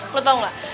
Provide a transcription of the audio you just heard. lo tau gak